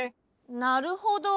なるほど。